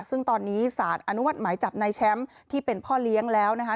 ซึ่งตอนนี้สารอนุมัติหมายจับนายแชมป์ที่เป็นพ่อเลี้ยงแล้วนะคะ